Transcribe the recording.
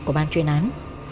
của ban chuyên án